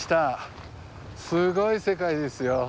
すごい世界ですよ。